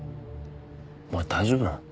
お前大丈夫なの？